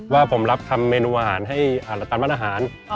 ว่าผมรับทำเมนูอาหารให้อาหารรัฐานบ้านอาหาร